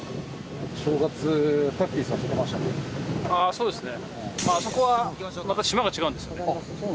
そうですね